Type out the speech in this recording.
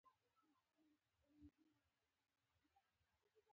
هغوی په دې باور دي چې دا ټولې ستونزې سیاسي ریښې لري.